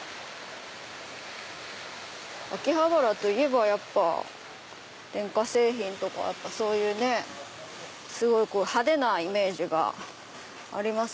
秋葉原といえばやっぱ電化製品とかそういうすごい派手なイメージがあります。